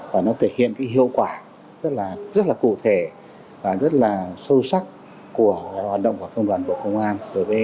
và nó thể hiện cái hiệu quả rất là cụ thể và rất là sâu sắc của hoạt động của công đoàn bộ công an